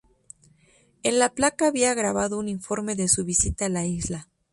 En la placa había grabado un informe de su visita a la isla.